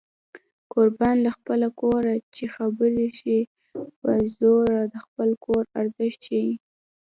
قربان له خپله کوره چې خبرې شي په زوره د خپل کور ارزښت ښيي